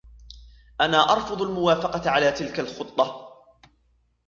أنا أرفض الموافقة على تلك الخطة.